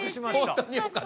本当によかった！